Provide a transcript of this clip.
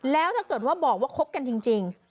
แล้วถ้าเกิดว่าบอกว่าคบกันจริง